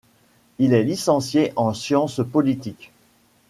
Il est licencié en Sciences Politiques.